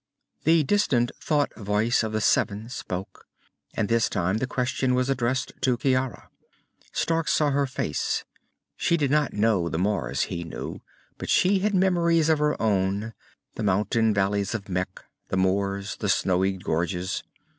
The distant thought voice of the seven spoke, and this time the question was addressed to Ciara. Stark saw her face. She did not know the Mars he knew, but she had memories of her own the mountain valleys of Mekh, the moors, the snowy gorges.